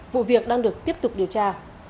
vụ việc đang được tiếp tục điều tra